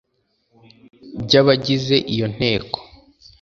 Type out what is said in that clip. by abagize iyo nteko